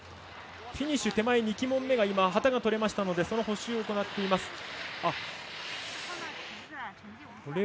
フィニッシュ手前２旗門目の旗が取れましたのでその補修を行っています。